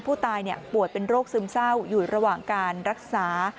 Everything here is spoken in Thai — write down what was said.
ผู้ตายป่วยเป็นโรคซึมเศร้าอยู่ระหว่างการรักษา